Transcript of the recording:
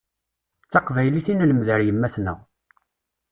D taqbaylit i nelmed ar yemma-tneɣ.